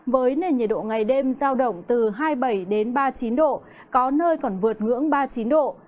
với nền nhiệt độ ngày đêm giao động từ hai mươi bảy đến ba mươi chín độ có nơi còn vượt ngưỡng ba mươi chín độ